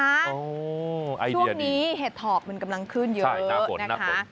อ๋อไอเดียดีช่วงนี้เห็ดถอกมันกำลังขึ้นเยอะนะคะ